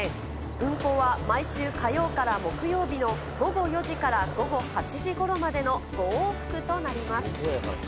運航は毎週火曜から木曜日の午後４時から午後８時ごろまでの５往復となります。